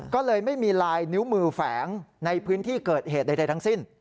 ก็เลยไม่มีลายนิ้วมือแฝงในพื้นที่เกิดเหตุใดทั้งสิ้น